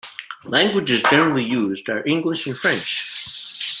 Languages generally used are English and French.